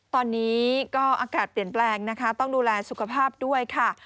ตอนนี้ก็อากาศเปลี่ยนแปลงนะคะต้องดูแลสุขภาพด้วยค่ะ